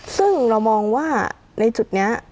ซึ่งเรามองว่าในจุดนี้